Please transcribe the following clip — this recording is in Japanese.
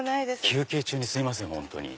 休憩中にすいません本当に。